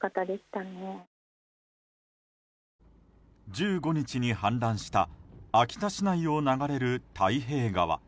１５日に氾濫した秋田市内を流れる太平川。